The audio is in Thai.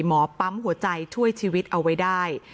หมอปั๊มหัวใจช่วยชีวิตเอาไว้ได้